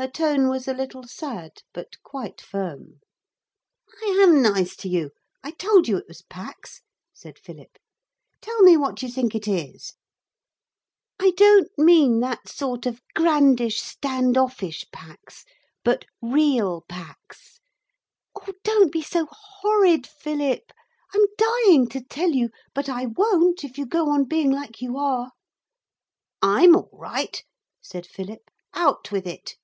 Her tone was a little sad, but quite firm. 'I am nice to you. I told you it was Pax,' said Philip. 'Tell me what you think it is.' 'I don't mean that sort of grandish standoffish Pax, but real Pax. Oh, don't be so horrid, Philip. I'm dying to tell you but I won't if you go on being like you are.' 'I'm all right,' said Philip; 'out with it.'